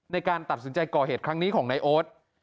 ในการตัดสินใจก่อเหตุครั้งนี้ของนายโอ๊ต